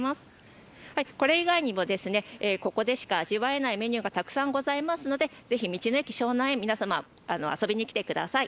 これ以外にも、ここでしか味わえないメニューがたくさんあるので、ぜひ道の駅しょうなんに皆様遊びに来てください。